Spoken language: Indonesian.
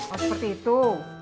oh seperti itu